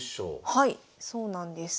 はいそうなんです。